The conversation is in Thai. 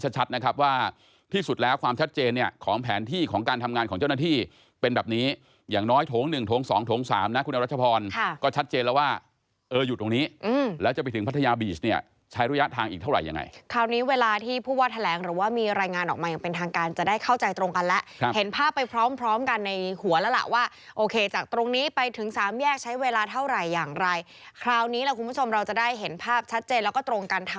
ชัดเจนเนี่ยของแผนที่ของการทำงานของเจ้าหน้าที่เป็นแบบนี้อย่างน้อยโถงหนึ่งโถงสองโถงสามนะคุณรัชพรค่ะก็ชัดเจนแล้วว่าเอออยู่ตรงนี้อืมแล้วจะไปถึงพัทยาบีสเนี่ยใช้ระยะทางอีกเท่าไรยังไงคราวนี้เวลาที่ผู้ว่าแถลงหรือว่ามีรายงานออกมาอย่างเป็นทางการจะได้เข้าใจตรงกันแล้วครับเห็นภาพไปพร